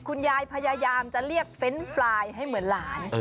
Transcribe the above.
คุณยายพยายามจะเรียกเฟนต์ปลายให้เหมือนหลาน